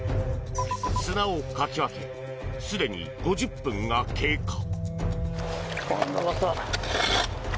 砂をかき分けすでに５０分が経過。